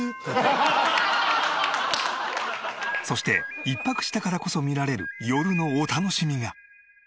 そして１泊したからこそ見られる夜のお楽しみが。